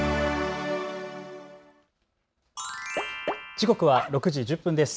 時刻は６時１０分です。